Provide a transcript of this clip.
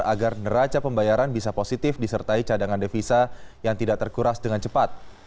agar neraca pembayaran bisa positif disertai cadangan devisa yang tidak terkuras dengan cepat